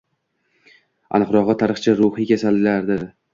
Aniqrog‘i, tarixchi-ruhiy kasallardir.